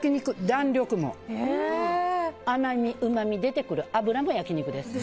弾力も甘み、うまみ出てくる脂も焼き肉です。